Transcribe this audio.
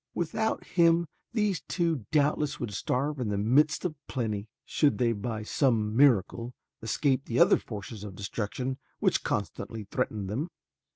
Without him these two doubtless would starve in the midst of plenty, should they by some miracle escape the other forces of destruction which constantly threatened them.